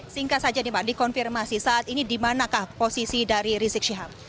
singkat saja nih pak dikonfirmasi saat ini dimanakah posisi dari rizik syihab